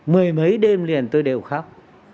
mười mấy đêm liền tôi đều khóc